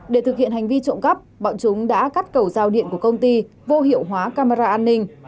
để thực hiện hành vi trộm cắp bọn chúng đã cắt cầu giao điện của công ty vô hiệu hóa camera an ninh